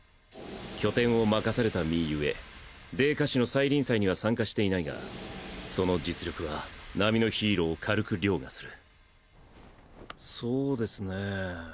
拠点を任された身ゆえ泥花市の再臨祭には参加していないがその実力は並のヒーローを軽く凌駕するそですね。